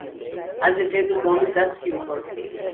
Azevedo Gomes da Silva